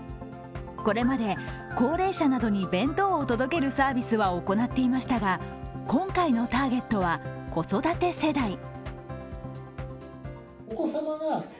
これまで高齢者などに弁当を届けるサービスは行っていましたが今回のターゲットは、子育て世代。